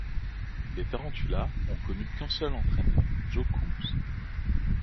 Les Tarantulas ont connu qu'un seul entraîneur Joe Coombs.